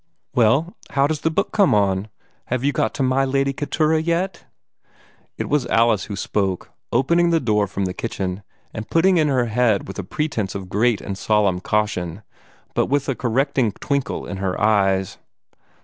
"Well, how does the book come on? Have you got to 'my Lady Keturah' yet?'" It was Alice who spoke, opening the door from the kitchen, and putting in her head with a pretence of great and solemn caution, but with a correcting twinkle in her eyes.